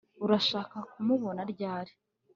urashaka kumubona ryari